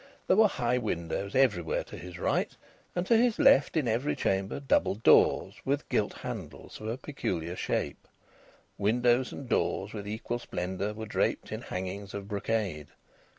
There were high windows everywhere to his right, and to his left, in every chamber, double doors with gilt handles of a peculiar shape. Windows and doors, with equal splendour, were draped in hangings of brocade.